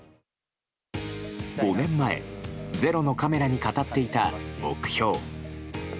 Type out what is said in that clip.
５年前、「ｚｅｒｏ」のカメラに語っていた目標。